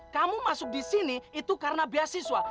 kamu masuk disini itu karena beasiswa